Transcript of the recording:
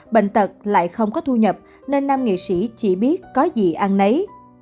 bệnh tật lại không có thu nhập nên nam nghệ sĩ chỉ biết có gì ăn nấy